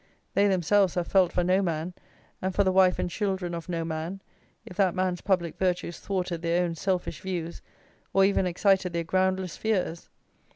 They themselves have felt for no man, and for the wife and children of no man, if that man's public virtues thwarted their own selfish views, or even excited their groundless fears.